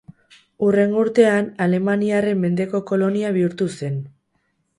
Hurrengo urtean alemaniarren mendeko kolonia bihurtu zen.